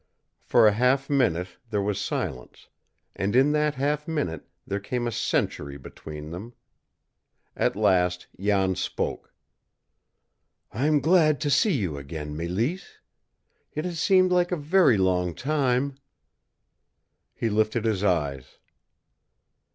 For a half minute there was silence, and in that half minute there came a century between them. At last Jan spoke. "I'm glad to see you again, Mélisse. It has seemed like a very long time!" He lifted his eyes.